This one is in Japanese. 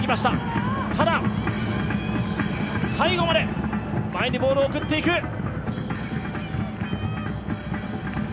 ただ、最後まで前にボールを送っていく。